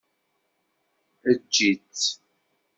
Eǧǧ-itt!